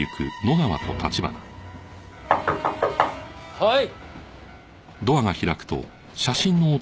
はい。